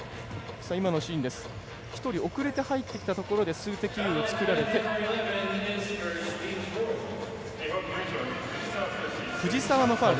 １人遅れて入ってきたところ数的優位を作られて藤澤のファウル。